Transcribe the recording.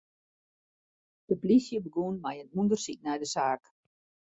De polysje begûn mei in ûndersyk nei de saak.